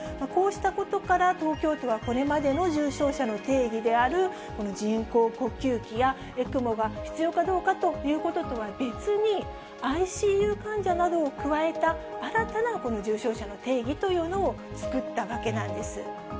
こうしたことから、東京都はこれまでの重症者の定義である、人工呼吸器やＥＣＭＯが必要かどうかということとは別に、ＩＣＵ患者などを加えた新たな重症者の定義というのを作ったわけなんです。